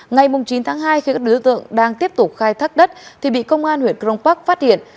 ngày chín tháng hai khi các đối tượng đang tiếp tục khai thác đất thì bị công an huyện cron park phát hiện